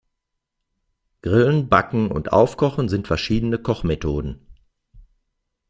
Grillen, Backen und Aufkochen sind verschiedene Kochmethoden.